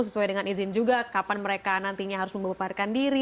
sesuai dengan izin juga kapan mereka nantinya harus membebarkan diri